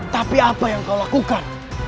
tapi apa yang kau lakukan